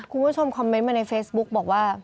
คุณผู้ชมคอมเมนต์มาในเฟซบุ๊กบอกว่า